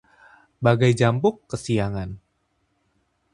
Bagai jampuk kesiangan